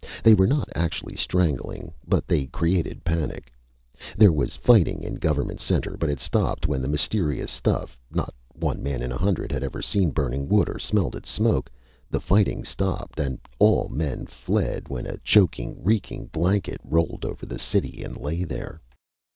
They were not actually strangling, but they created panic. There was fighting in Government Center, but it stopped when the mysterious stuff not one man in a hundred had ever seen burning wood or smelled its smoke the fighting stopped and all men fled when a choking, reeking blanket rolled over the city and lay there.